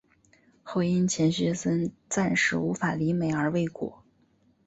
后因钱学森暂时无法离美而未果。